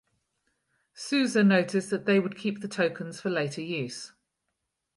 Sousa noticed that they would keep the tokens for later use.